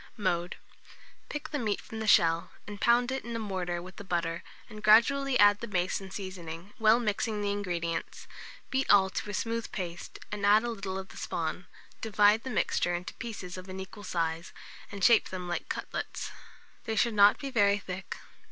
Mode. Pick the meat from the shell, and pound it in a mortar with the butter, and gradually add the mace and seasoning, well mixing the ingredients; beat all to a smooth paste, and add a little of the spawn; divide the mixture into pieces of an equal size, and shape them like cutlets. They should not be very thick.